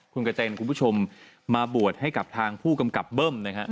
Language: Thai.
คุณกระเจนคุณผู้ชมมาบวชให้กับทางผู้กำกับเบิ้มนะครับ